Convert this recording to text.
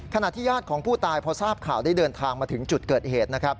ญาติของผู้ตายพอทราบข่าวได้เดินทางมาถึงจุดเกิดเหตุนะครับ